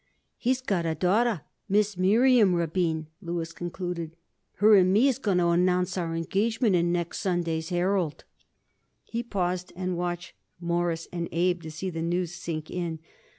"He's got a daughter, Miss Miriam Rabin," Louis concluded. "Her and me is going to announce our engagement in next Sunday's Herald." He paused and watched Morris and Abe, to see the news sink in.